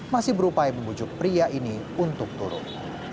masih berupaya membujuk pria ini untuk turun